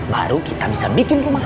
baru kita bisa bikin rumah